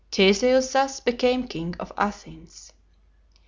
Theseus thus became king of Athens.